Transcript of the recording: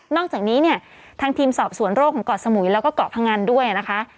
อกจากนี้เนี่ยทางทีมสอบสวนโรคของเกาะสมุยแล้วก็เกาะพงันด้วยนะคะ